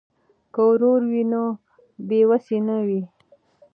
که ورور وي نو بې وسي نه وي.